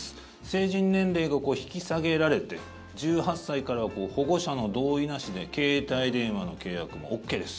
成人年齢が引き下げられて１８歳からは保護者の同意なしで携帯電話の契約もＯＫです。